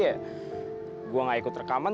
saya tidak mengikuti rekaman